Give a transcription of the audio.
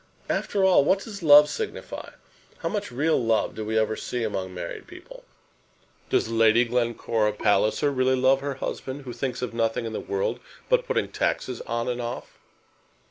After all, what does love signify? How much real love do we ever see among married people? Does Lady Glencora Palliser really love her husband, who thinks of nothing in the world but putting taxes on and off?"